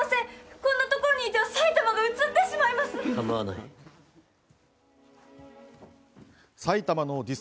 こんなところにいては埼玉がうつってしまいます。